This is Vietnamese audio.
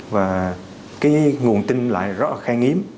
và cái nguồn tin lại rất là khen nghiếm